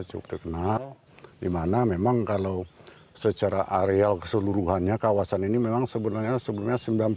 cukup terkenal di mana memang kalau secara areal keseluruhannya kawasan ini memang sebenarnya sembilan puluh delapan hektare